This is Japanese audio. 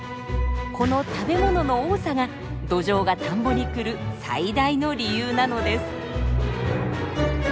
この食べ物の多さがドジョウが田んぼに来る最大の理由なのです。